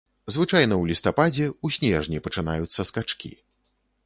Звычайна ў лістападзе, у снежні пачынаюцца скачкі.